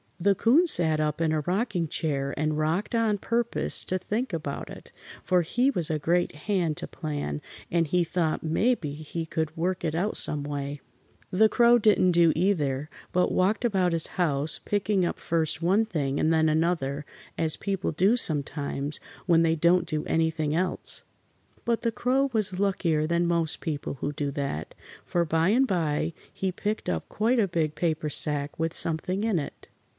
The 'Coon sat up in a rocking chair and rocked on purpose to think about it, for he was a great hand to plan, and he thought mebbe he could work it out some way. The Crow didn't do either, but walked about his house, picking up first one thing and then another, as people do sometimes when they don't do anything else. But the Crow was luckier than most people who do that, for by and by he picked up quite a big paper sack with something in it.